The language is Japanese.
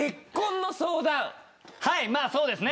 まあそうですね。